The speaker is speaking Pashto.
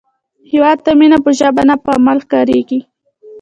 هیواد ته مینه په ژبه نه، په عمل ښکارېږي